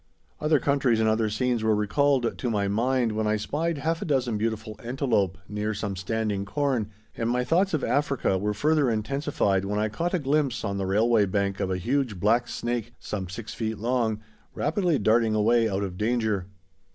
Other countries and other scenes were recalled to my mind when I spied half a dozen beautiful antelope near some standing corn, and my thoughts of Africa were further intensified when I caught a glimpse, on the railway bank, of a huge black snake, some six feet long, rapidly darting away out of danger.